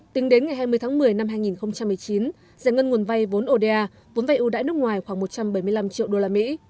tính đến ngày hai mươi tháng một mươi năm hai nghìn một mươi chín giải ngân nguồn vay vốn oda vốn vay ưu đãi nước ngoài khoảng một trăm bảy mươi năm triệu đô la mỹ